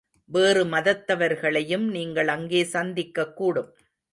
வேறு மதத்தவர்களையும் நீங்கள் அங்கே சந்திக்கக் கூடும்.